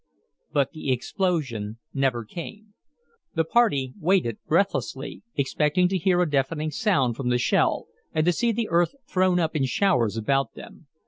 But the explosion never came. The party waited breathlessly, expecting to hear a deafening sound from the shell, and to see the earth thrown up in showers about them.